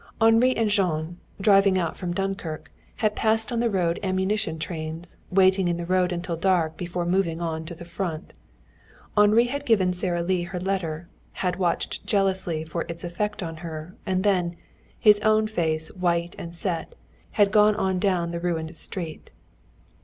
Henri and Jean, driving out from Dunkirk, had passed on the road ammunition trains, waiting in the road until dark before moving on to the Front. Henri had given Sara Lee her letter, had watched jealously for its effect on her, and then, his own face white and set, had gone on down the ruined street.